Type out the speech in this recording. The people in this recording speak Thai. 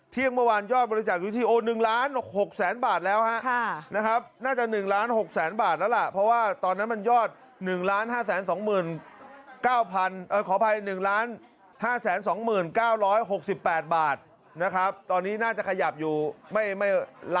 เที่ยงเมื่อวานยอดบริจาคอยู่ที่